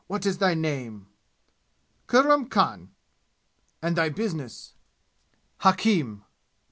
What is thy name." "Kurram Khan." "And thy business?" "Hakim."